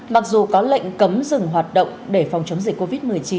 mặc dù có lệnh cấm dừng hoạt động để phòng chống dịch covid một mươi chín